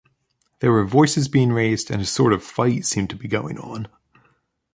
There were voices being raised and a sort of fight seemed to be going on...